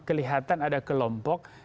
kelihatan ada kelompok